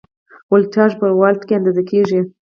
ولتاژ په ولټ کې اندازه کېږي.